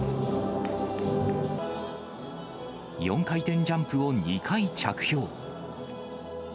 ４回転ジャンプを２回着氷。